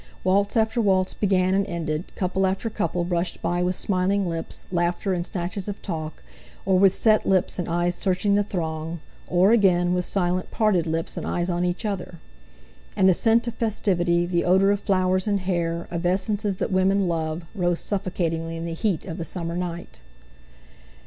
Waltz after waltz began and ended, couple after couple brushed by with smiling lips, laughter, and snatches of talk; or with set lips, and eyes searching the throng; or again, with silent, parted lips, and eyes on each other. And the scent of festivity, the odour of flowers, and hair, of essences that women love, rose suffocatingly in the heat of the summer night.